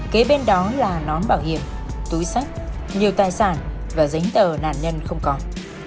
kế bên đó là nón bảo hiểm túi sách nhiều tài sản và giấy tờ nạn nhân không còn